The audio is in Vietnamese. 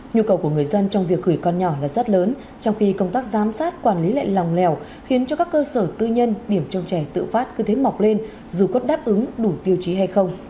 nhu cầu của người dân trong việc gửi con nhỏ là rất lớn trong khi công tác giám sát quản lý lại lòng lèo khiến cho các cơ sở tư nhân điểm trong trẻ tự phát cứ thế mọc lên dù có đáp ứng đủ tiêu chí hay không